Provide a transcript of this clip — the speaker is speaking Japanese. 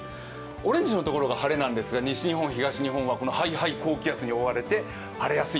オレンジの所が晴れなんですが、西日本、東日本はＨｉＨｉ高気圧に覆われて晴れやすい。